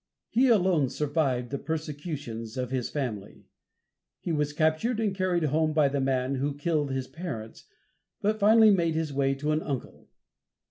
He alone survived the persecution of his family. He was captured and carried home by the man who killed his parents, but finally made his way to an uncle.